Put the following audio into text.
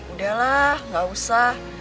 udahlah gak usah